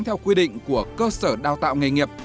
theo quy định của cơ sở đào tạo nghề nghiệp